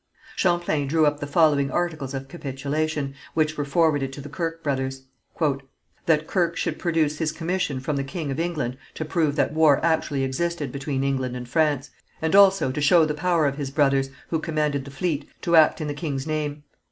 Champlain drew up the following articles of capitulation, which were forwarded to the Kirke brothers: "That Quer (Kirke) should produce his commission from the king of England to prove that war actually existed between England and France; and also to show the power of his brothers, who commanded the fleet, to act in the king's name.